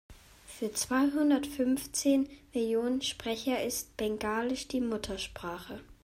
Für zweihundertfünfzehn Millionen Sprecher ist Bengalisch die Muttersprache.